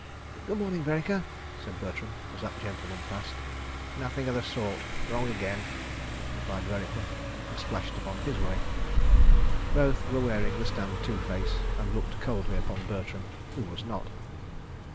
"Good morning, Vereker," said Bertram, as that gentleman passed. "Nothing of the sort. Wrong again," replied Vereker, and splashed upon his way. Both were wearing the Stand to face, and looked coldly upon Bertram, who was not.